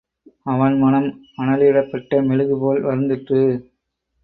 அவன் மனம் அனலிடப்பட்ட மெழுகுபோல் வருந்திற்று.